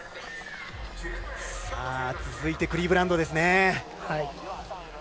続いてクリーブランドですね。